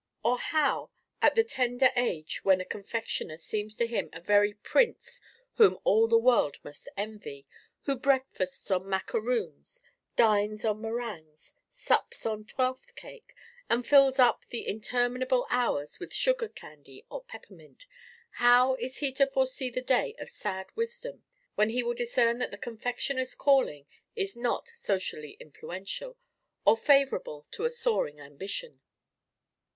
Or how, at the tender age when a confectioner seems to him a very prince whom all the world must envy—who breakfasts on macaroons, dines on meringues, sups on twelfth cake, and fills up the intermediate hours with sugar candy or peppermint—how is he to foresee the day of sad wisdom, when he will discern that the confectioner's calling is not socially influential, or favourable to a soaring ambition?